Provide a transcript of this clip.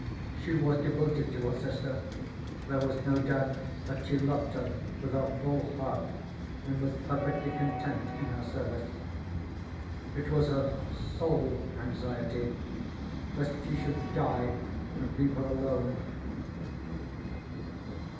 She was devoted to her sister; there was no doubt that she loved her with her whole heart, and was perfectly content in her service. It was her sole anxiety lest she should die and leave her alone.